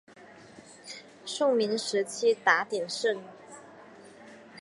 宋明时期达鼎盛。